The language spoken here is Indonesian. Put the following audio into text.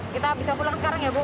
kita bisa pulang sekarang ya bu